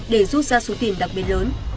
để rút ra số tiền đặc biệt lớn